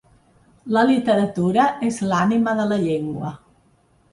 La literatura és l’ànima de la llengua.